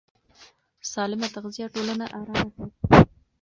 سالمه تغذیه ټولنه ارامه ساتي.